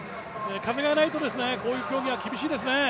風がないとですね、こういう競技は厳しいですね。